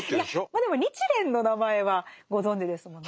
いやでも日蓮の名前はご存じですもんね。